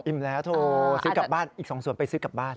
แล้วโทรซื้อกลับบ้านอีก๒ส่วนไปซื้อกลับบ้าน